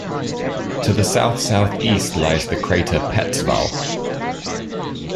To the south-southeast lies the crater Petzval.